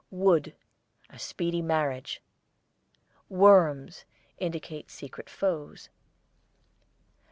WOOD, a speedy marriage. WORMS indicate secret foes.